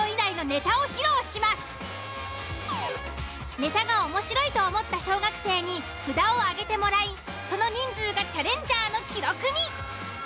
ネタが面白いと思った小学生に札を挙げてもらいその人数がチャレンジャーの記録に。